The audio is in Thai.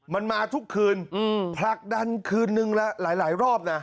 มันมาทุกคืนผลักดันคืนนึงละหลายรอบนะ